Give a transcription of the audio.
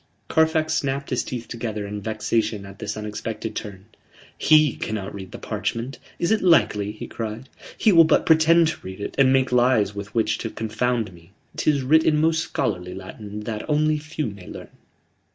Carfax snapped his teeth together in vexation at this unexpected turn. "He cannot read the parchment. Is it likely?" he cried. "He will but pretend to read it, and make lies with which to confound me. 'Tis writ in most scholarly Latin, that only few may learn."